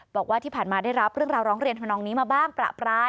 บอกว่าที่ผ่านมาได้รับเรื่องราวร้องเรียนทำนองนี้มาบ้างประปราย